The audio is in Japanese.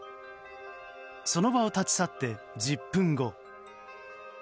その場を立ち去って１０分後。